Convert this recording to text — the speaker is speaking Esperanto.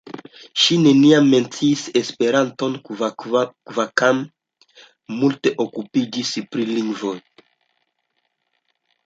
Ŝi neniam menciis Esperanton, kvankam multe okupiĝis pri lingvoj.